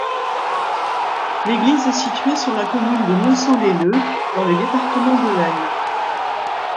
L'église est située sur la commune de Monceau-lès-Leups, dans le département de l'Aisne.